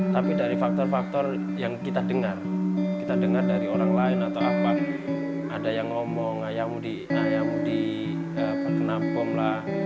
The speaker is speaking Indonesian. tapi dari faktor faktor yang kita dengar kita dengar dari orang lain atau apa ada yang ngomong ayam di kena bom lah